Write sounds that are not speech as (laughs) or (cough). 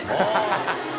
ハハハ (laughs)